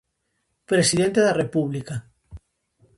Presidente da República.